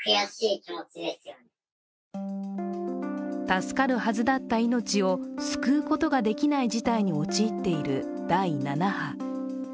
助かるはずだった命を救うことができない事態に陥っている第７波。